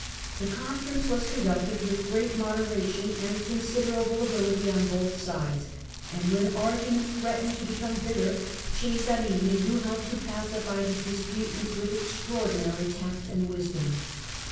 The conference was conducted with great moderation and considerable ability on both sides, and when argument threatened to become bitter, Cesari ni knew how to pacify the disputants with extraordinary tact and wisdom.